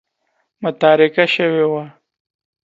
متارکه شوې وه.